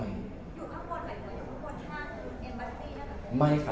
อยู่ข้างบนหรืออยู่ข้างบนข้างเอ็มบัสซี่น่ะครับ